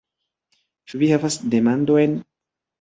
Ĉu Vi havas demandojn?